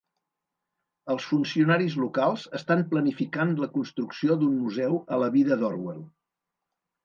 Els funcionaris locals estan planificant la construcció d'un museu a la vida d'Orwell.